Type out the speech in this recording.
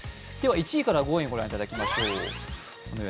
では１位から５位、ご覧いただきましょう。